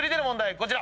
こちら。